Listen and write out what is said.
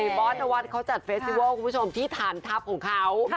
บอสตะวัดเขาจัดเฟสติวัลที่ฐานทัพของเขา